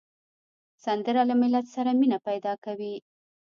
سندره له ملت سره مینه پیدا کوي